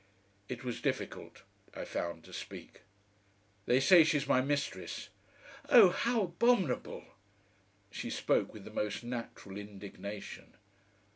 It was difficult, I found, to speak. "They say she's my mistress." "Oh! How abominable!" She spoke with the most natural indignation.